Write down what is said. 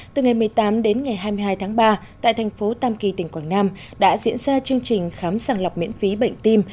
từ ngày một mươi tám đến ngày hai mươi hai tháng ba tại thành phố tam kỳ tỉnh quảng nam đã diễn ra chương trình khám sàng lọc miễn phí bệnh tim